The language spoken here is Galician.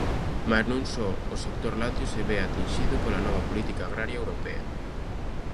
Mais non só o sector lácteo se ve atinxido pola nova política agraria europea.